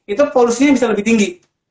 itu polusinya bisa lebih tinggi